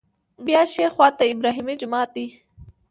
بیا ښي خوا ته ابراهیمي جومات دی.